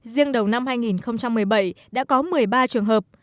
riêng đầu năm hai nghìn một mươi bảy đã có một mươi ba trường hợp